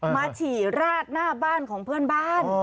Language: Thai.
ฉี่ราดหน้าบ้านของเพื่อนบ้าน